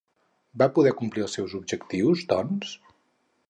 Va poder complir el seu objectiu, doncs?